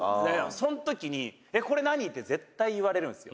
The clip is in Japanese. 「その時に“これ何？”って絶対言われるんですよ」